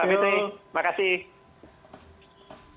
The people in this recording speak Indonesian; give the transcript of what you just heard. pak bivitri terima kasih